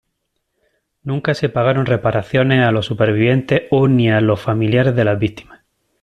Nunca se pagaron reparaciones a los supervivientes oni a los familiares de las víctimas.